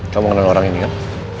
kamu mengenal orang ini kan